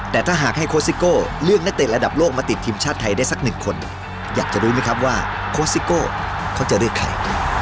แต่ถ้าหากให้โคสิโก้เลือกนักเตะระดับโลกมาติดทีมชาติไทยได้สักหนึ่งคนอยากจะรู้ไหมครับว่าโคสิโก้เขาจะเลือกใคร